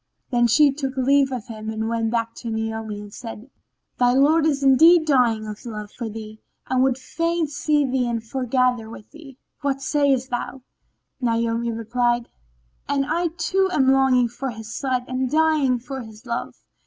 Then she took leave of him and went back to Naomi and said, "Thy lord is indeed dying of love for thee and would fain see thee and foregather with thee. What sayest thou?" Naomi replied, "And I too am longing for his sight and dying for his love."